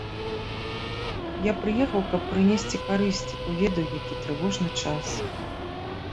Я прыехаў, каб прынесці карысць, бо ведаю, які трывожны час.